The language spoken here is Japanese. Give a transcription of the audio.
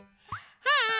はい！